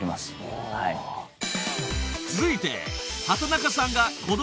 ［続いて］